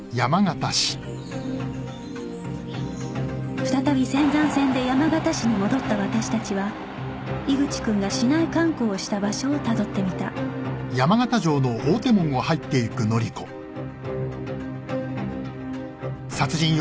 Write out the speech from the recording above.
再び仙山線で山形市に戻った私達は井口君が市内観光をした場所をたどってみたさあ覚えてませんねぇ。